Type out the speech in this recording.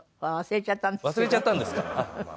忘れちゃったんですか？